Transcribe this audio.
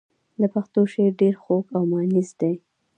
د پښتو شعر ډېر خوږ او مانیز دی.